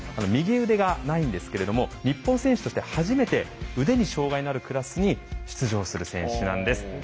右腕がないんですけれども日本選手として初めて腕に障害のあるクラスに出場する選手なんです。